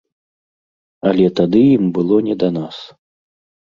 Але тады ім было не да нас.